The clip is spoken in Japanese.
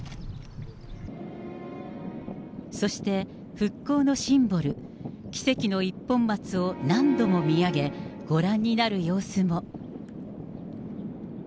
そして、復興のシンボル、奇跡の一本松を何度も見上げ、ご覧になる様子も。